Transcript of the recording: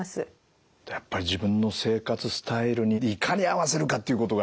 やっぱり自分の生活スタイルにいかに合わせるかっていうことが。